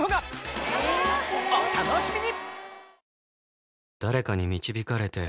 お楽しみに！